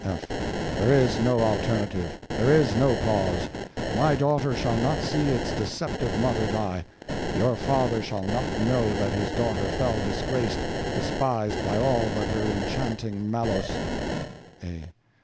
F. There is no alternative, there is no pause: my daughter shall not see its deceptive mother die; your father shall not know that his daughter fell disgraced, despised by all but her enchanting Malos. A.